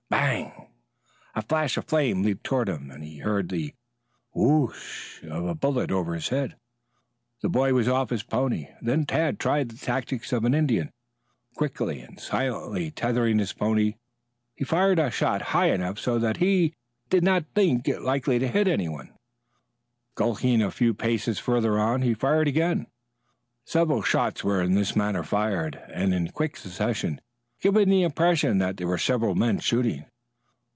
Bang! A flash of flame leaped toward him and he heard the "wo o o o" of a bullet over his head. The boy was off his pony. Then Tad tried the tactics of an Indian. Quickly and silently tethering his pony, he fired a shot high enough so that he did not think it likely to hit any one. Skulking a few paces farther on, he fired again. Several shots were in this manner fired, and in quick succession, giving the impression that there were several men shooting.